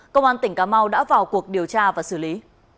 công an tỉnh cà mau đã vào cuộc điều tra và xử lý